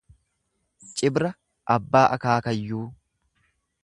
Cibra Abbaa akaakayyuu.